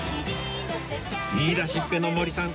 言い出しっぺの森さん